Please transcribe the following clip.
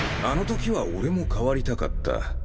あのときは俺も代わりたかった。